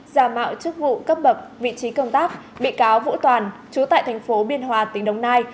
giả mạo chức vụ cấp bậc vị trí công tác bị cáo vũ toàn chú tại thành phố biên hòa tỉnh đồng nai